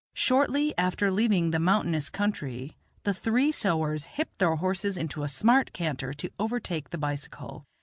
Shortly after leaving the mountainous country the three sowars hip their horses into a smart canter to overtake the bicycle.